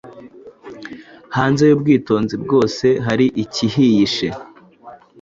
Hanze yubwitonzi bwose hari ikihiyishe